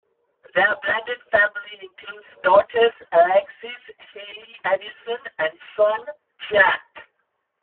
Their blended family includes daughters Alexis, Hailey, Addison and son, Jack.